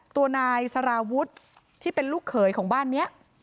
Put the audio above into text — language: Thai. ตัวนายสารวุฒิที่เป็นลูกเขยของบ้านนี้